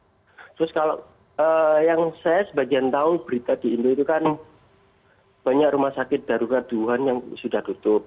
terus kalau yang saya sebagian tahu berita di indo itu kan banyak rumah sakit darurat di wuhan yang sudah tutup